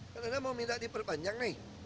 karena mau minta diperpanjang nih